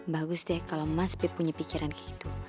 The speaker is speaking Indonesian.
bagus deh kalau mas pip punya pikiran gitu